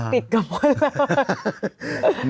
ติดกับคน